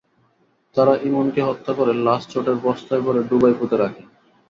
তাঁরা ইমনকে হত্যা করে লাশ চটের বস্তায় ভরে ডোবায় পুঁতে রাখেন।